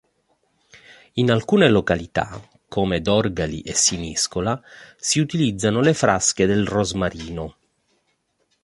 In alcune località, come Dorgali e Siniscola, si utilizzano le frasche del rosmarino.